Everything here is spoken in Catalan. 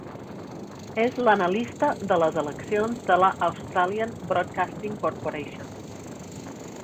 És l'analista de les eleccions de la Australian Broadcasting Corporation.